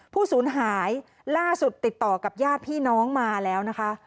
ศูนย์หายล่าสุดติดต่อกับญาติพี่น้องมาแล้วนะคะ